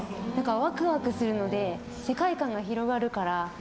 わくわくするので世界観が広がるから。